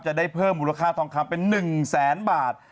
จะได้เพิ่มมูลค่าทองคำเป็น๑แสนบาท